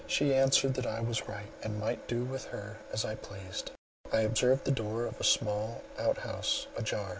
She answered that I was right, and might do with her as I pleased. I observed the door of a small out house a jar.